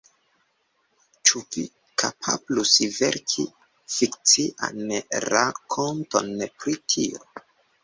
Ĉu vi kapablus verki fikcian rakonton pri tio?